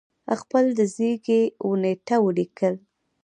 خپل د زیږی و نېټه ولیکل